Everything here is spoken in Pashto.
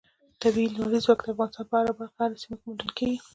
طبیعي لمریز ځواک د افغانستان په هره برخه او هره سیمه کې موندل کېږي.